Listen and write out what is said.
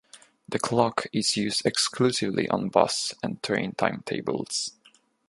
The clock is used exclusively on bus and train timetables.